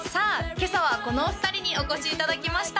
今朝はこのお二人にお越しいただきました